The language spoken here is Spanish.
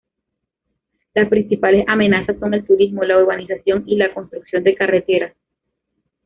Las principales amenazas son el turismo, la urbanización y la construcción de carreteras.